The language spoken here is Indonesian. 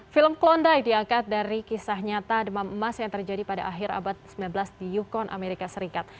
film klondike diangkat dari kisah nyata demam emas yang terjadi pada akhir abad sembilan belas di ukon amerika serikat